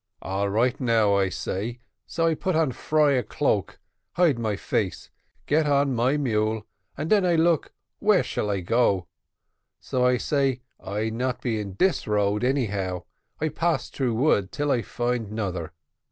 All right now, I say; so put on friar cloak, hide my face, get on my mule, and den I look where I shall go so I say, I not be in dis road anyhow. I passed through wood till I find nother.